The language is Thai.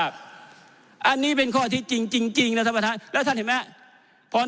มันเป็นข้อที่จริงคุณผู้ชมคุณคนทางด้านล่าง